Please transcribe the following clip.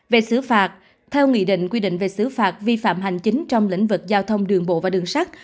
về xử phạt theo nghị định quy định về xử phạt vi phạm hành chính trong lĩnh vực giao thông đường bộ và đường sắt